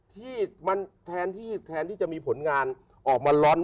ที่มันแทนที่แทนที่จะมีผลงานออกมาร้อน